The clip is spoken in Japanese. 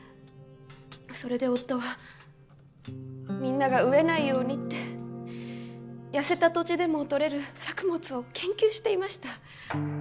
それで夫はみんなが飢えないようにって痩せた土地でもとれる作物を研究していました。